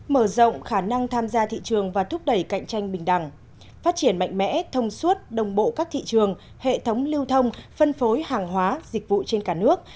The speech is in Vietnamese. mở rộng khả năng tham gia thị trường và thúc đẩy cạnh tranh bình đẳng phát triển mạnh mẽ thông suốt đồng bộ các thị trường hệ thống lưu thông phân phối hàng hóa dịch vụ trên cả nước